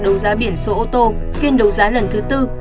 đấu giá biển số ô tô phiên đấu giá lần thứ tư